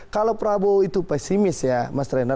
kalau pak prabowo itu pesimis ya mas renat